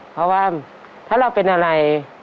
เพราะว่าถ้าเราเป็นอะไร